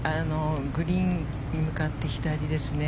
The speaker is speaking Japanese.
グリーンに向かって左ですね。